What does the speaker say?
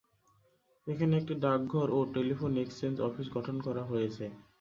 এখানে একটি ডাকঘর ও টেলিফোন এক্সচেঞ্জ অফিস গঠন করা হয়েছে।